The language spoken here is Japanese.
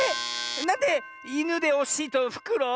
なんでイヌでおしいとフクロウ？